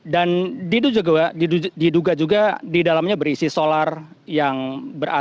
dan diduga juga di dalamnya berisi solar yang berat